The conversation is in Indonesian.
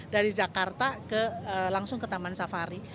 dari jakarta langsung ke taman safari